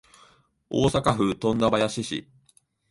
大阪府富田林市